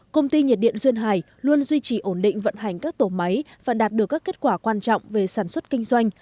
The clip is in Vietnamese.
công ty nhiệt điện duyên hải luôn duy trì ổn định vận hành các tổ máy và đạt được các kết quả quan trọng về sản xuất kinh doanh